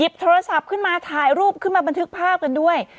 โทรศัพท์ขึ้นมาถ่ายรูปขึ้นมาบันทึกภาพกันด้วย